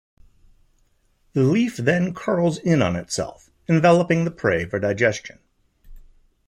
The leaf then curls in on itself, enveloping the prey for digestion.